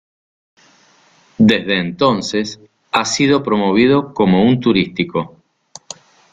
Desde entonces, ha sido promovido como un turístico.